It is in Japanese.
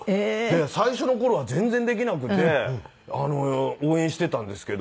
最初の頃は全然できなくて応援してたんですけど。